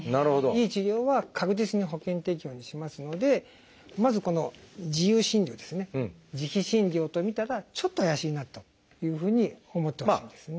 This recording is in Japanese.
いい治療は確実に保険適用にしますのでまずこの自由診療ですね自費診療と見たらちょっと怪しいなというふうに思ってほしいんですね。